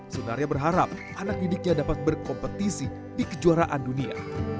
sunaria berharap anak didiknya dapat berkompetisi di kejuaraan dunia